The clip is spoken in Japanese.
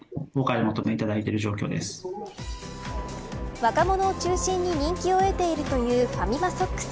若者を中心に人気を得ているというファミマソックス。